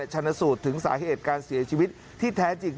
ชนสูตรถึงสาเหตุการเสียชีวิตที่แท้จริง